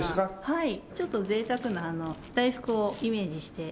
はい。